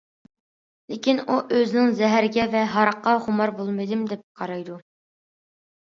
لېكىن ئۇ ئۆزىنى زەھەرگە ۋە ھاراققا خۇمار بولمىدىم دەپ قارايدۇ.